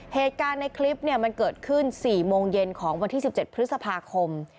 เหตุการณ์ในคลิปมันเกิดขึ้น๔โมงเย็นของวันที่๑๗พฤษภาคม